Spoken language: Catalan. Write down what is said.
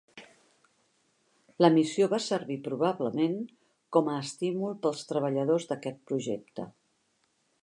La missió va servir probablement com a estímul pels treballadors d'aquest projecte.